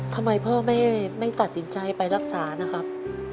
ทำไมพ่อไม่ตัดสินใจไปรักษานะครับ